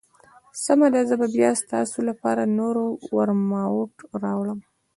سمه ده، زه به بیا ستاسو لپاره نور ورماوټ راوړم.